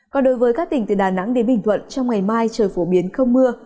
còn đối với các tỉnh từ đà nẵng đến bình thuận trong ngày mai trời phổ biến không mưa